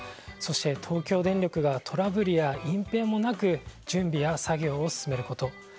そして、東京電力がトラブルや隠ぺいもなく準備や作業を進めること。